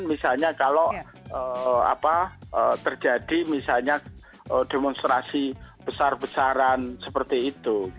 misalnya kalau terjadi misalnya demonstrasi besar besaran seperti itu